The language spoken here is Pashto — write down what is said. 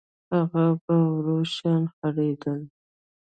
هغه په ورو شان خرېدل